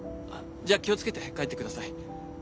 じゃあ気を付けて帰って下さい。